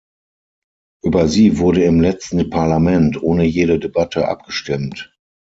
Über sie wurde im letzten Parlament ohne jede Debatte abgestimmt.